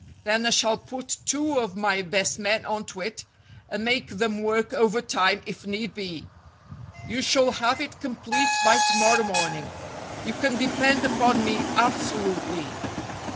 Then I shall put two of my best men on to it, and make them work overtime if need be. You shall have it complete by to morrow morning. You can depend upon me abso lutely.